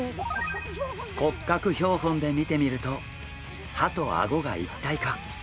骨格標本で見てみると歯とあごが一体化！